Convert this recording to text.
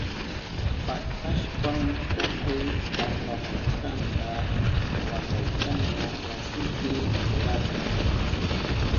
Paktashpan tukuy apamushkanta wakaychana wasipi churarka.